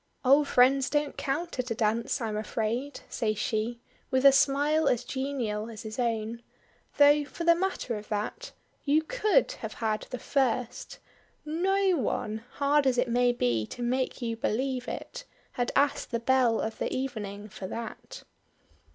"Old friends don't count at a dance, I'm afraid," says she, with a smile as genial as his own; "though for the matter of that you could have had the first; no one hard as it may be to make you believe it had asked the belle of the evening for that."